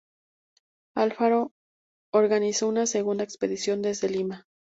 Alfaro organizó una segunda expedición desde Lima.